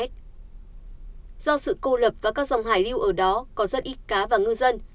do sự cô lập và các dòng hải lưu ở đó có rất ít cá và ngư dân